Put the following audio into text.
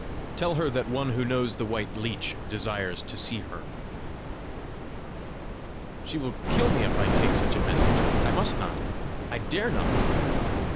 "Tell her that one who knows the white leech desires to see her." "She will kill me if I take such a message: I must not. I dare not."